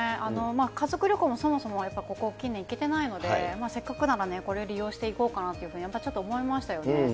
家族旅行もそうですけど、そもそもここ２年行けてないので、せっかくならこれ利用して行こうかなというふうに、やっぱりちょっと思いましたよね。